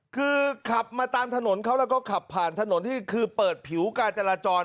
คือขับมาตามถนนเขาแล้วก็ขับผ่านถนนที่คือเปิดผิวการจราจร